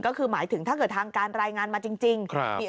ก็คือหมายถึงถ้าเกิดทางการรายงานมาจริง